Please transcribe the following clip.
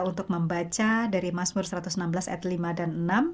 untuk membaca dari masmur satu ratus enam belas ayat lima dan enam